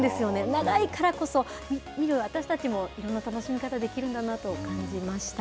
長いからこそ、見る私たちもいろんな楽しみ方できるんだなと感じました。